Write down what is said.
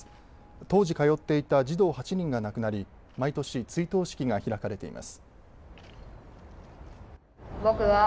当時、通っていた児童８人が亡くなり毎年、追悼式が開かれています。